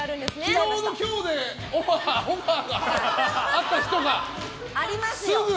昨日の今日でオファーがあった人がすぐ。